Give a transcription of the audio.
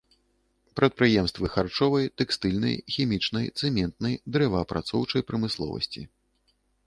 Прадпрыемствы харчовай, тэкстыльнай, хімічнай, цэментнай, дрэваапрацоўчай прамысловасці.